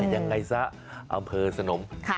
ยังไงซะอำเภอสนม